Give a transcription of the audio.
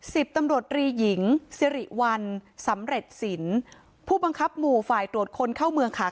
สิบตำรวจรีหญิงสิริวัลสำเร็จสินผู้บังคับหมู่ฝ่ายตรวจคนเข้าเมืองค่ะ